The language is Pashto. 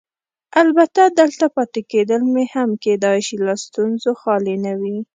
البته دلته پاتې کېدل مې هم کیدای شي له ستونزو خالي نه وي.